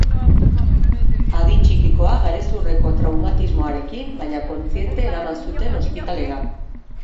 Adin txikikoa, garezurreko traumatismoarekin, baina kontziente eraman zuten ospitalera.